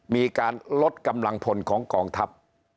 มีการลดกำลังพลของกองทัพ